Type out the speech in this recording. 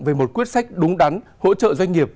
về một quyết sách đúng đắn hỗ trợ doanh nghiệp